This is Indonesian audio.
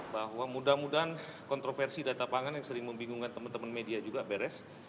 bahwa mudah mudahan kontroversi data pangan yang sering membingungkan teman teman media juga beres